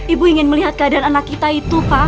ibu ingin melihat keadaan anak kita itu pak